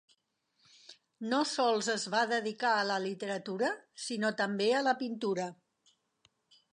No sols es va dedicar a la literatura, sinó també a la pintura.